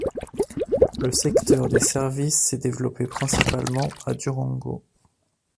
Le secteur des services s'est développé principalement à Durango.